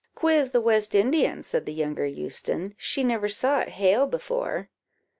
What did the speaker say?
"Quiz the West Indian," said the younger Euston; "she never saw it hail before."